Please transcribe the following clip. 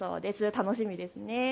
楽しみですね。